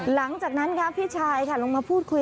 หลังจากนั้นพี่ชายลงมาพูดคุย